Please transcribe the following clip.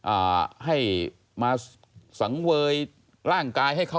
อ่าให้มาสังเวยร่างกายให้เขา